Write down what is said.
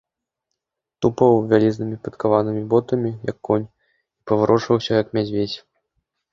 Тупаў вялізнымі падкаванымі ботамі, як конь, і паварочваўся, як мядзведзь.